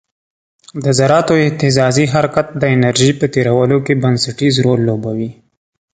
د ذراتو اهتزازي حرکت د انرژي په تیرولو کې بنسټیز رول لوبوي.